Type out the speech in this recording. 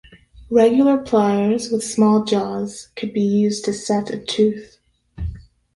Regular pliers with small jaws could be used to set a tooth.